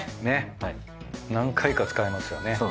ねっ何回か使えますよね。